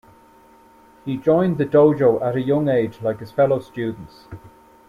He joined the dojo at a young age like his fellow students.